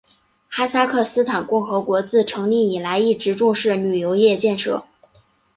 哈萨克斯坦共和国自成立以来一直重视旅游业建设。